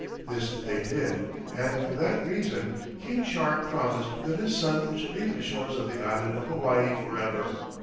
This they did, and for that reason King Shark promised that his son should leave the shores of the island of Hawaii forever.